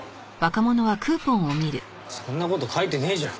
そんな事書いてねえじゃん。